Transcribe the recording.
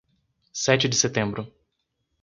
Sete de Setembro